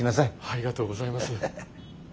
ありがとうございます。